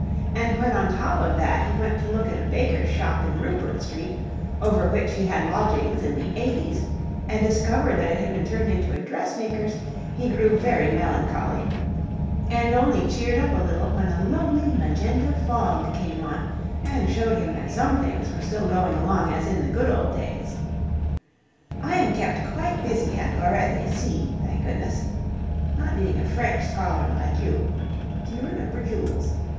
And when on top of that he went to look at the baker's shop in Rupert Street, over which he had lodgings in the eighties, and discovered that it had been turned into a dressmaker's, he grew very melancholy, and only cheered up a little when a lovely magenta fog came on and showed him that some things were still going along as in the good old days. I am kept quite busy at Laurette et Cie., thank goodness. (Not being a French scholar like you do you remember Jules?